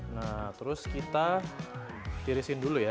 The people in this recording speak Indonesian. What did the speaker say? nah terus kita tirisin dulu ya